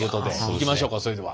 いきましょうかそれでは。